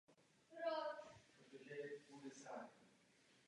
Všechny zmíněné programy jsou dostupné ke stažení zdarma.